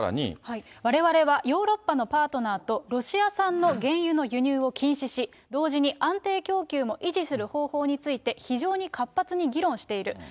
われわれはヨーロッパのパートナーとロシア産の原油の輸入を禁止し、同時に安定供給も維持する方法について非常に活発に議論している。